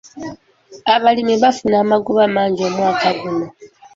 Abalimi baafuna amagoba mangi omwaka guno.